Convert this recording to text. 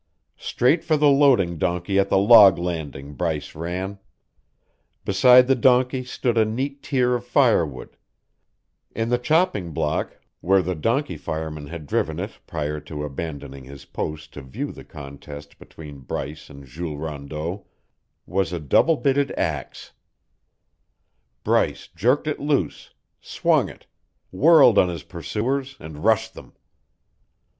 Straight for the loading donkey at the log landing Bryce ran. Beside the donkey stood a neat tier of firewood; in the chopping block, where the donkey fireman had driven it prior to abandoning his post to view the contest between Bryce and Jules Rondeau, was a double bitted axe. Bryce jerked it loose, swung it, whirled on his pursuers, and rushed them.